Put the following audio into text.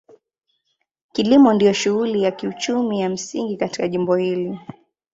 Kilimo ndio shughuli ya kiuchumi ya msingi katika jimbo hili.